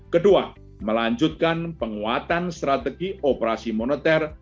kedua melanjutkan penguatan strategi operasi moneter